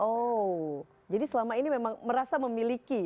oh jadi selama ini memang merasa memiliki